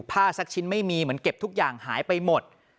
สักชิ้นไม่มีเหมือนเก็บทุกอย่างหายไปหมด